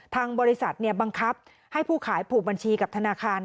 ทางบริษัทบังคับให้ผู้ขายผูกบัญชีกับธนาคาร